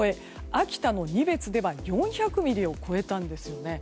秋田の仁別では４００ミリを超えたんですね。